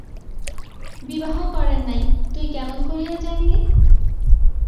বিবাহ করেন নাই, তুই কেমন করিয়া জানিলি?